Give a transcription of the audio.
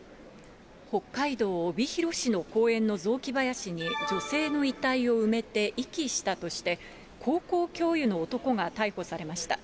北海道帯広市の公園の雑木林に、女性の遺体を埋めて遺棄したとして、高校教諭の男が逮捕されました。